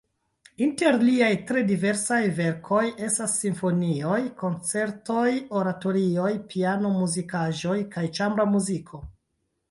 Inter liaj tre diversaj verkoj estas simfonioj, konĉertoj, oratorioj, piano-muzikaĵoj kaj ĉambra muziko.